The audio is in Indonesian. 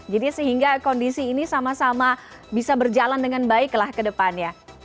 jadi sehingga kondisi ini sama sama bisa berjalan dengan baiklah ke depannya